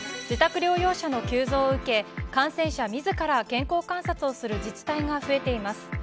自宅療養者の急増を受け感染者みずから健康観察をする自治体が増えています。